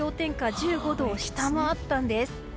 １５度を下回ったんです。